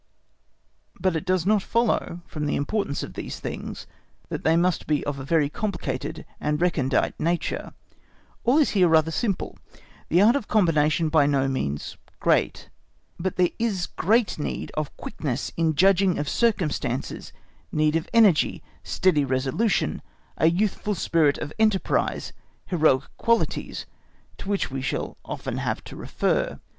_ But it does not follow from the importance of these things that they must be of a very complicated and recondite nature; all is here rather simple, the art of combination by no means great; but there is great need of quickness in judging of circumstances, need of energy, steady resolution, a youthful spirit of enterprise—heroic qualities, to which we shall often have to refer.